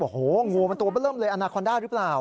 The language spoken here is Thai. โอ้โหงูมันตัวเบอร์เริ่มเลยอนาคอนด้าหรือเปล่า